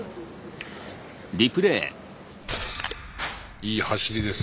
いい走りですね